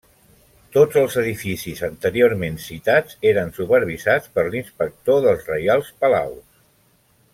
Tots els edificis anteriorment citats eren supervisats per l'Inspector dels Reials Palaus.